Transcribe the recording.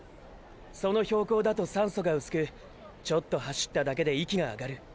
その標高だと酸素が薄くちょっと走っただけで息が上がる。